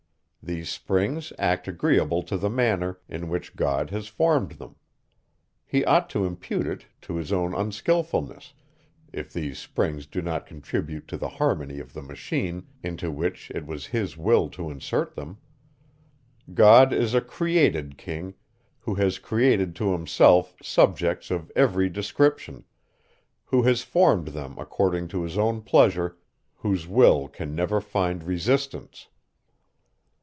These springs act agreeable to the manner, in which God has formed them; he ought to impute it to his own unskilfulness, if these springs do not contribute to the harmony of the machine, into which it was his will to insert them. God is a created king, who has created to himself subjects of every description; who has formed them according to his own pleasure whose will can never find resistance.